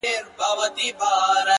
زما خبرو ته لا نوري چیغي وکړه-